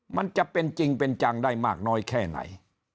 มันจะเป็นจริงเป็นจังได้มากน้อยแค่ไหน